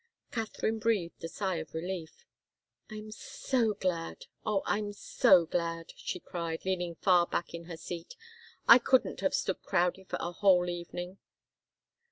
Katharine breathed a sigh of relief. "I'm so glad oh, I'm so glad!" she cried, leaning far back in her seat. "I couldn't have stood Crowdie for a whole evening!"